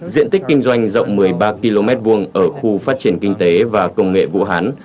diện tích kinh doanh rộng một mươi ba km hai ở khu phát triển kinh tế và công nghệ vũ hán